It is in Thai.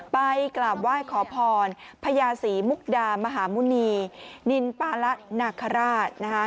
ไปกราบไหว้ขอพรพญาศรีมุกดามหาหมุณีนินปาละนาคาราชนะคะ